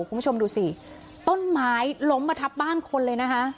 คุณผู้ชมดูสิต้นไม้ล้มมาทับบ้านคนเลยนะคะ